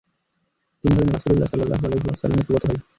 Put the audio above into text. তিনি হলেন রাসূলুল্লাহ সাল্লাল্লাহু আলাইহি ওয়াসাল্লামের ফুফাত ভাই।